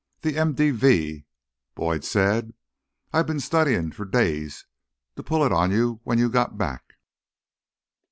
"The MVD," Boyd said. "I've been studying for days to pull it on you when you got back."